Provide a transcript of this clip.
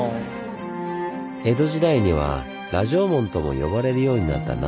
江戸時代には「羅城門」とも呼ばれるようになった南大門。